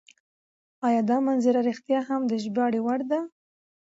ایا دا مناظره رښتیا هم د ژباړې وړ ده؟